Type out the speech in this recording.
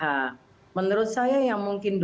nah menurut saya yang mungkin